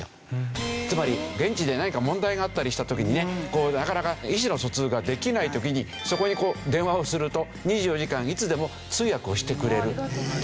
つまり現地で何か問題があったりした時にねこうなかなか意思の疎通ができない時にそこに電話をすると２４時間いつでも通訳をしてくれるという。